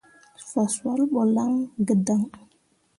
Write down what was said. Fah swal ɓo lan gǝdaŋ.